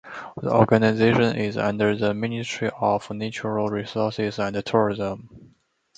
The Organization is under the Ministry of Natural Resources and Tourism.